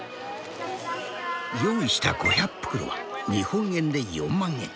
用意した５００袋は日本円で４万円。